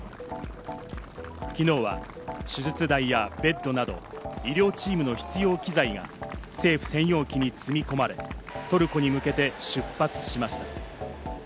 昨日は手術台やベッドなど、医療チームの必要機材が政府専用機に積み込まれ、トルコに向けて出発しました。